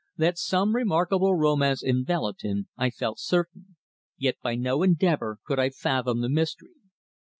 That some remarkable romance enveloped him I felt certain, yet by no endeavour could I fathom the mystery.